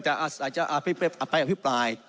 จะอภิปราย